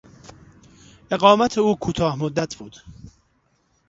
اقامت او کوتاه مدت بود.